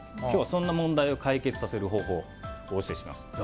今日は、そんな問題を解決させる方法をお教えします。